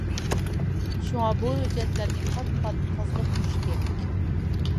شۇڭا بۇ ھۆججەتلەرنى پات-پات تازىلاپ تۇرۇش كېرەك.